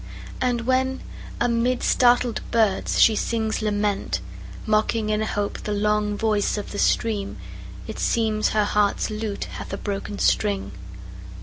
And when amid startled birds she sings lament, Mocking in hope the long voice of the stream, It seems her heart's lute hath a broken string.